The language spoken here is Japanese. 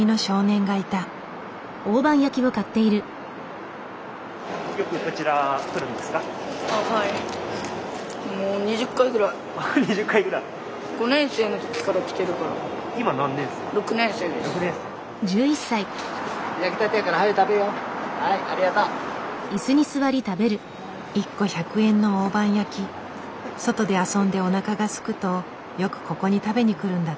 外で遊んでおなかがすくとよくここに食べに来るんだって。